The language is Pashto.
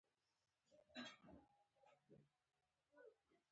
ځينې خلک پۀ مياشتو مياشتو